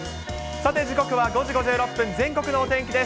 さて時刻は５時５６分、全国のお天気です。